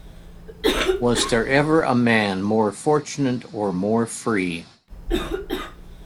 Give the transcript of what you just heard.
Was ever a man more fortunate or more free?